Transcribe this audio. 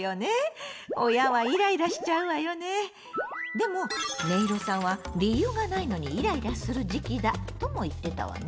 でもねいろさんは「理由がないのにイライラする時期だ」とも言ってたわね。